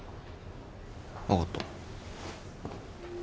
分かった。